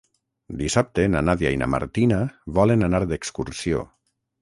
Dissabte na Nàdia i na Martina volen anar d'excursió.